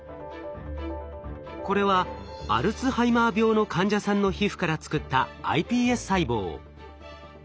これはアルツハイマー病の患者さんの皮膚から作ったｉＰＳ細胞。